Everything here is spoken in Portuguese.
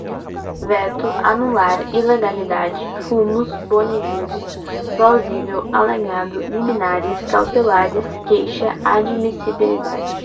veto, anular, ilegalidade, fumus boni juris, plausível, alegado, liminares, cautelares, queixa, admissibilidade